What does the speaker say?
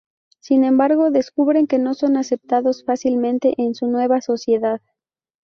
Sin embargo, descubren que no son aceptados fácilmente en su nueva sociedad.